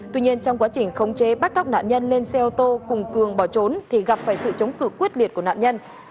tuy nhiên trong quá trình khống chế bắt cóc nạn nhân lên xe ô tô cùng cường bỏ trốn thì gặp phải sự chống cử quyết liệt của nạn nhân